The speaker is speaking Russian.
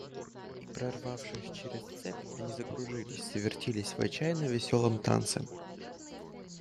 И, прорвавшись через цепь, они закружились, завертелись в отчаянно веселом танце.